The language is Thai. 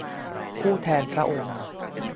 ผู้แทนพระองค์